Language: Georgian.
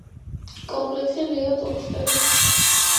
კომპლექსი ღიაა ტურისტებისთვის.